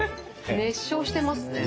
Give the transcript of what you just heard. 熱唱してますね。